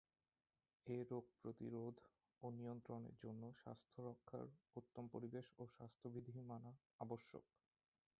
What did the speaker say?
এ রোগ প্রতিরোধ ও নিয়ন্ত্রণের জন্য স্বাস্থ্যরক্ষার উত্তম পরিবেশ ও স্বাস্থবিধি মানা আবশ্যক।